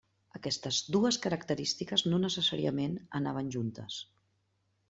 Aquestes dues característiques, no necessàriament anaven juntes.